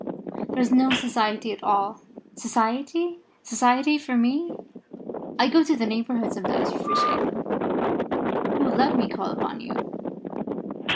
"There is no society at all." "Society? Society for me?" "I go to the neighbourhood sometimes for fishing. You will let me call upon you?"